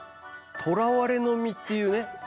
「とらわれの身」っていうね。